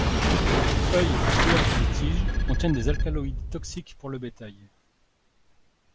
Feuilles, fleurs et tige contiennent des alcaloïdes toxiques pour le bétail.